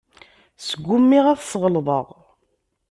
Sgumiɣ ad t-ssɣelḍeɣ.